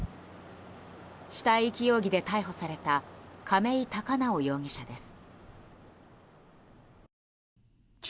死体遺棄容疑で逮捕された亀井孝直容疑者です。